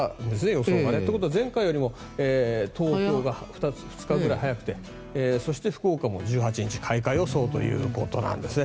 予想がね。ということは前回よりも東京は２日ぐらい早くてそして、福岡も１８日開花予想ということなんですね。